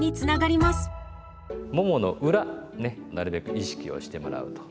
ももの裏ねなるべく意識をしてもらうと。